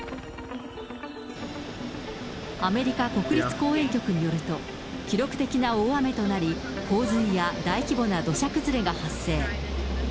アメリカ国立公園局によると記録的な大雨となり、洪水や大規模な土砂崩れが発生。